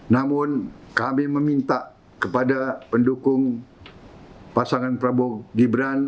namun kami meminta kepada pendukung pasangan prabowo gibran